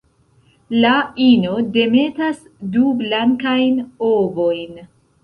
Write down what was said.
La ino demetas du blankajn ovojn.